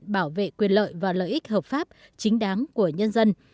bảo vệ quyền lợi và lợi ích hợp pháp chính đáng của nhân dân